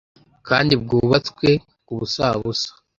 kandi bwubatswe ku busabusa